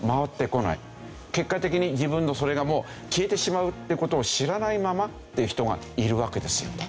結果的に自分のそれがもう消えてしまうって事を知らないままっていう人がいるわけですよね。